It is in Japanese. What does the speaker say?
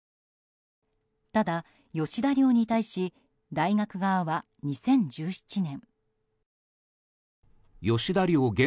ただ、吉田寮に対し大学側は２０１７年。